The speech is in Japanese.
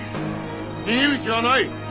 逃げ道はない！